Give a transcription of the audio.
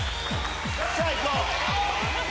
さあいこう！